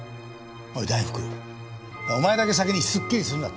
おい大福お前だけ先にスッキリするなって。